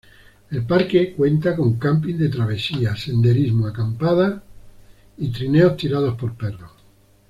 El parque cuenta con camping de travesía, senderismo, acampada y trineos tirados por perros.